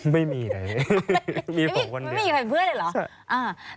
ไม่มีเลยไม่มีใครเป็นเพื่อนเลยเหรอ